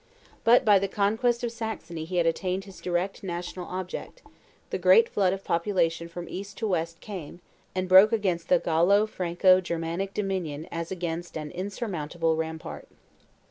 But by the conquest of Saxony he had attained his direct national object: the great flood of population from East to West came, and broke against the Gallo Franco Germanic dominion as against an insurmountable rampart.